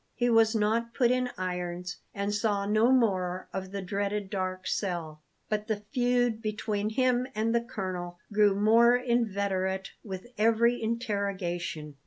He was not put in irons, and saw no more of the dreaded dark cell; but the feud between him and the colonel grew more inveterate with every interrogation.